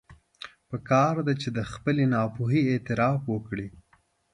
پکار ده چې د خپلې ناپوهي اعتراف وکړي.